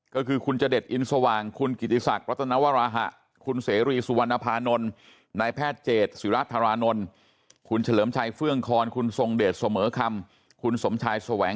ก็คือคุณเจดช์อินทร์สว่างคุณกิจิศักร์รัฐนวรรหะ